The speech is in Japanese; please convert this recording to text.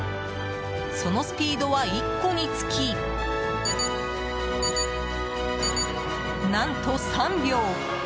そのスピードは１個につき何と３秒。